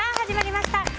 始まりました。